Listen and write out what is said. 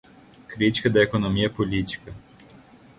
Crítica da Economia Política